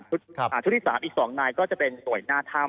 ชุดที่๓อีก๒นายก็จะเป็นหน่วยหน้าถ้ำ